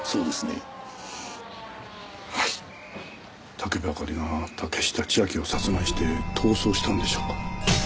武部あかりが竹下千晶を殺害して逃走したんでしょうか？